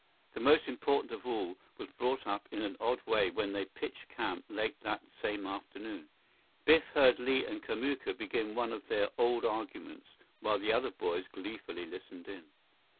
The most important of all was brought up in an odd way when they pitched camp late that same afternoon. Biff heard Li and Kamuka begin one of their old arguments, while the other boys gleefully listened in.